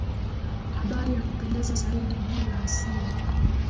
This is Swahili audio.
habari ya kupendeza zaidi juu ya asili